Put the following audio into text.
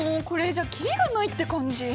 これじゃ切りがないって感じ！